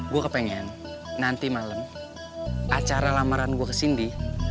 gue kepengen nanti malem acara lamaran gue ke sindi